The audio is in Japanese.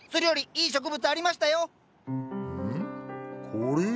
これ？